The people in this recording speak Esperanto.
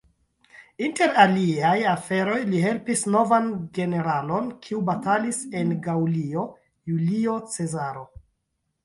Inter aliaj aferoj, li helpis novan generalon, kiu batalis en Gaŭlio: Julio Cezaro.